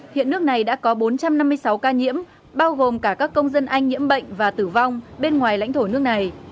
hiện nước này đã có bốn trăm năm mươi sáu ca nhiễm bao gồm cả các công dân anh nhiễm bệnh và tử vong bên ngoài lãnh thổ nước này